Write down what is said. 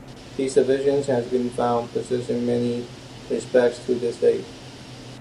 These divisions have been found to persist in many respects to this day.